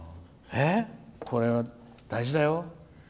これは大事だよ。